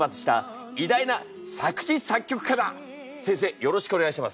よろしくお願いします。